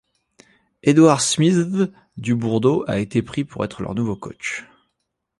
Edouard “SmithZz” Dubourdeaux a été pris pour être leur nouveau coach.